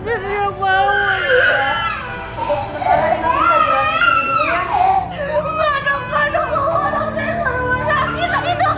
jadi aku bangun